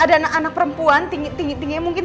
ada anak anak perempuan tinggi tingginya mungkin